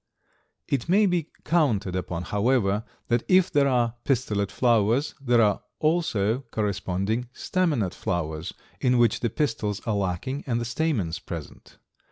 It may be counted upon, however, that if there are pistillate flowers there are also corresponding staminate flowers in which the pistils are lacking and the stamens present.